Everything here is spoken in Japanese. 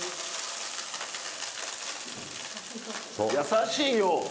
優しいよ。